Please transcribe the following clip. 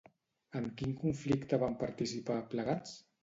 En quin conflicte van participar, plegats?